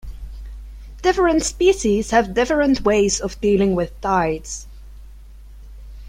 Different species have different ways of dealing with tides.